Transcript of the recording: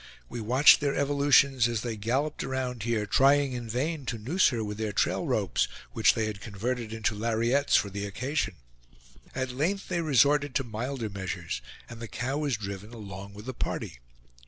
We watched their evolutions as they galloped around here, trying in vain to noose her with their trail ropes, which they had converted into lariettes for the occasion. At length they resorted to milder measures, and the cow was driven along with the party.